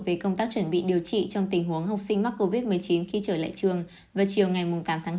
về công tác chuẩn bị điều trị trong tình huống học sinh mắc covid một mươi chín khi trở lại trường vào chiều ngày tám tháng năm